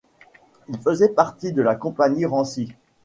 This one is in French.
Il faisait partie de la compagnie Rancy.